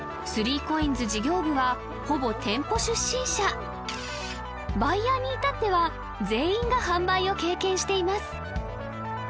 スリーコインズ事業部はほぼ店舗出身者バイヤーに至っては全員が販売を経験しています